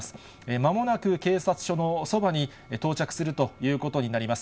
まもなく警察署のそばに到着するということになります。